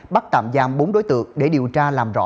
bắt tạm giam bốn đối tượng để điều tra làm rõ